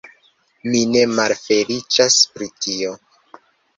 Mi ne malfeliĉas pri tio.